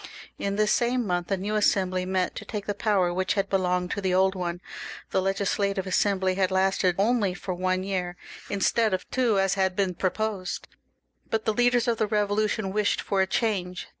In this same month a new Assembly met to take the power which had belonged to the old one. The Legislative Assembly had lasted only for one year, instead of two as had been proposed; but the leaders of the Eevolution wished for a change.